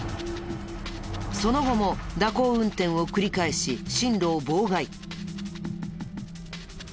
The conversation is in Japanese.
その後も蛇行運転を繰り返し進路を妨害。